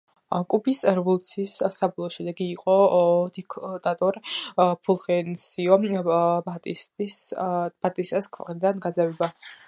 კუბის რევოლუციის საბოლოო შედეგი იყო დიქტატორ ფულხენსიო ბატისტას ქვეყნიდან გაძევება.